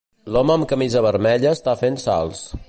L'home amb camisa vermella està fent salts.